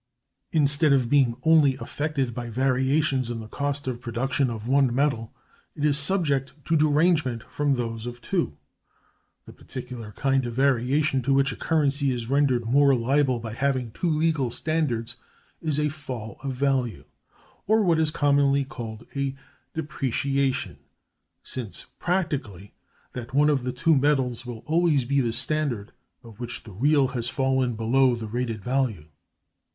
Instead of being only affected by variations in the cost of production of one metal, it is subject to derangement from those of two. The particular kind of variation to which a currency is rendered more liable by having two legal standards is a fall of value, or what is commonly called a depreciation, since practically that one of the two metals will always be the standard of which the real has fallen below the rated value.